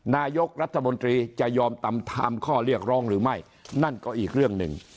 นายกรัฐมนตรีจะยอมตำถามข้อเรียกร้องหรือไม่นั่นก็อีกเรื่องหนึ่ง